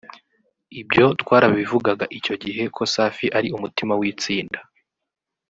Ibyo twarabivugaga icyo gihe ko Safi ari umutima w’itsinda